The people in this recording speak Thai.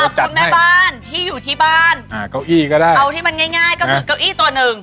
อุปกรณ์ของคุณแม่บ้านที่อยู่ที่บ้านเอาแบบเก้าอี้ก็ได้เอาที่มันง่ายก็คือเก้าอี้ตัวหนึ่ง